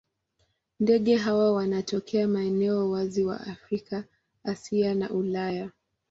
Ndege hawa wanatokea maeneo wazi wa Afrika, Asia na Ulaya.